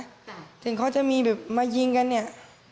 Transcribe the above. เพราะฉะนั้นเขาจะมีแบบมายิงกันเนี่ย